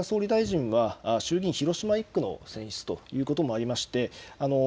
岸田総理大臣は衆議院広島１区の選出ということもありまして